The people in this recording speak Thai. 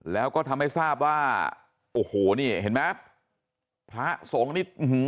แล้วก็ทำให้ทราบว่าโอ้โหนี่เห็นไหมพระสงฆ์นี่